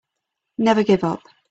Never give up.